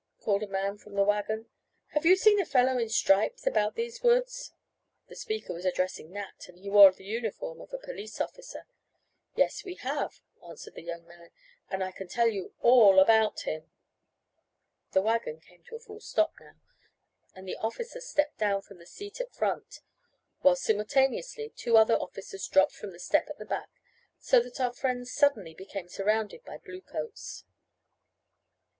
called a man from the wagon. "Have you seen a fellow in stripes about these woods?" The speaker was addressing Nat, and he wore the uniform of a police officer. "Yes, we have," answered the young man. "And I can tell you all about him." The wagon came to a full stop now, and the officer stepped down from the seat at front, while simultaneously, two other officers dropped from the step at the back, so that our friends suddenly became surrounded by bluecoats.